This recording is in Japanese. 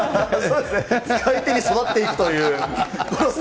使い手に育っていくという。